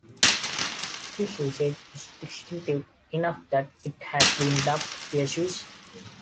This usage is distinctive enough that it has been dubbed "Yeshivish".